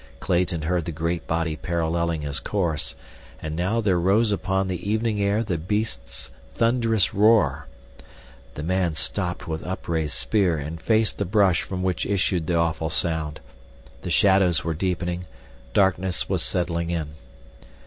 Clayton heard the great body paralleling his course, and now there rose upon the evening air the beast's thunderous roar. The man stopped with upraised spear and faced the brush from which issued the awful sound. The shadows were deepening, darkness was settling in.